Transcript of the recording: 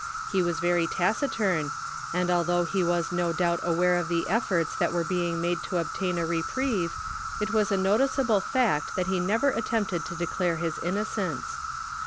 He was very taciturn, and although he was no doubt aware of the efforts that were being made to obtain a reprieve, it was a noticeable fact that he never attempted to declare his innocence.